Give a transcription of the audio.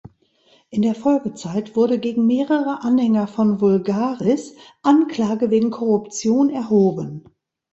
In der Folgezeit wurde gegen mehrere Anhänger von Voulgaris Anklage wegen Korruption erhoben.